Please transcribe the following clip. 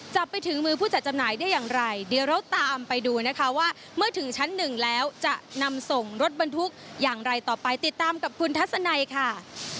จับไปถึงมือผู้จัดจำหน่ายได้อย่างไรเดี๋ยวเราตามไปดูนะคะว่าเมื่อถึงชั้นหนึ่งแล้วจะนำส่งรถบรรทุกอย่างไรต่อไปติดตามกับคุณทัศนัยค่ะ